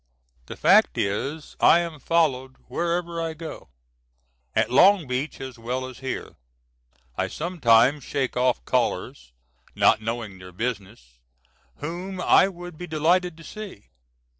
The fact is I am followed wherever I go, at Long Branch as well as here. I sometimes shake off callers, not knowing their business, whom I would be delighted to see.